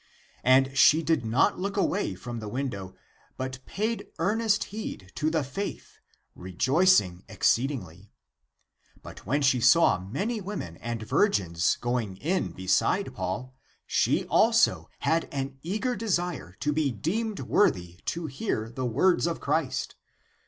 And she did not look away from the window, but paid earnest heed to the faith [rejoicing exceedingly]. And when she saw many women and virgins going in beside Paul, she also had an eager desire to be deemed worthy to hear the words of Christ.